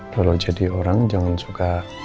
kalau jadi orang jangan suka